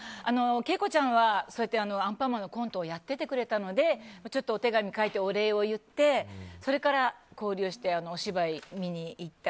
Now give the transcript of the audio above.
敬子ちゃんはアンパンマンのコントをやっててくれたのでお手紙を書いてお礼を言ってそれから、交流してお芝居見に行って。